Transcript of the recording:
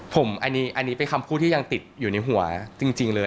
ผมอันนี้เป็นคำพูดที่ยังติดอยู่ในหัวจริงเลย